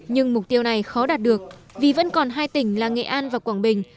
nhưng mục tiêu này khó đạt được vì vẫn còn hai tỉnh là nghệ an và quảng bình